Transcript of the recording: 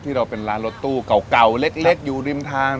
เราเป็นร้านรถตู้เก่าเล็กอยู่ริมทาง